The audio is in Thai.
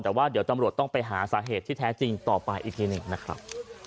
แต่ว่าเดี๋ยวตำรวจต้องไปหาสาเหตุที่แท้จริงต่อไปอีกทีหนึ่งนะครับ